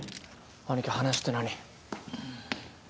兄貴話って何？